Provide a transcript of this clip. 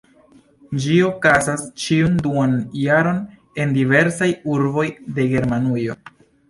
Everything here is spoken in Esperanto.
Ĝi okazas ĉiun duan jaron en diversaj urboj de Germanujo.